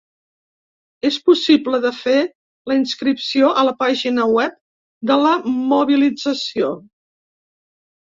És possible de fer la inscripció a la pàgina web de la mobilització.